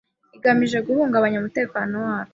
igamije guhungabanya umutekano warwo